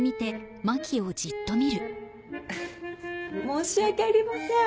申し訳ありません